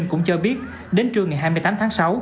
cũng cho biết đến trưa ngày hai mươi tám tháng sáu